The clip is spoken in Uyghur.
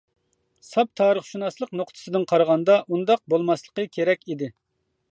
ساپ تارىخشۇناسلىق نۇقتىسىدىن قارىغاندا ئۇنداق بولماسلىقى كېرەك ئىدى.